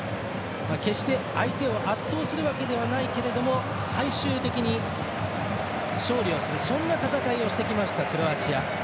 決して相手を圧倒するわけではないけれども最終的に勝利をするそんな戦いをしてきましたクロアチア。